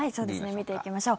見ていきましょう。